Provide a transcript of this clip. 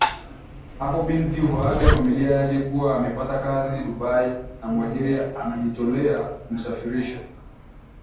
Hapo binti huaga familia yake kuwa amepata kazi Dubai na muajiri amejitolea kumsafirisha